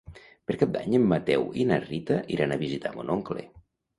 Per Cap d'Any en Mateu i na Rita iran a visitar mon oncle.